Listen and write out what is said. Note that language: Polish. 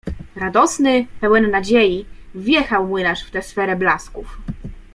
Radosny, pełen nadziei, wjechał młynarz w tę sferę blasków.